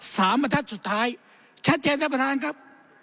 สามบรรทัศน์สุดท้ายชัดเจนเจ้าประธานครับ